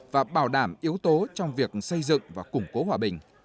và bảo đảm yếu tố trong việc xây dựng và củng cố hòa bình